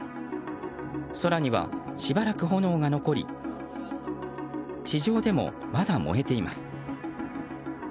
空には、しばらく炎が残り地上でもまだ燃えています。